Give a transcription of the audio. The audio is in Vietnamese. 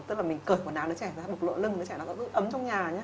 tức là mình cởi một nám đứa trẻ ra bộc lộ lưng đứa trẻ nó giữ ấm trong nhà